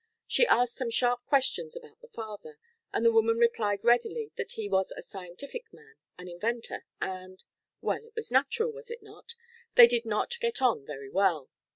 She asked some sharp questions about the father, and the woman replied readily that he was a scientific man, an inventor, and well, it was natural, was it not? they did not get on very well.